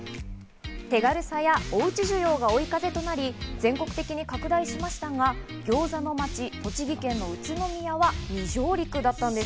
手軽さやおうち需要が追い風となり、全国的に拡大しましたが、餃子の街・栃木県の宇都宮は未上陸だったんです。